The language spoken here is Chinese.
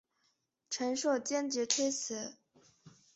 陈顼坚决推辞。